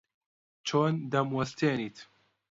چۆن دەموەستێنیت؟